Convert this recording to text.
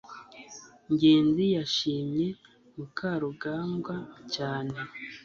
ngenzi yashimye mukarugambwa cyane